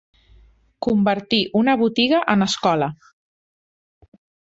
Convertir una botiga en escola.